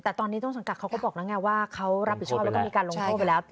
แต่ตอนนี้ต้นสังกัดเขาก็บอกแล้วไงว่าเขารับผิดชอบแล้วก็มีการลงโทษไปแล้ว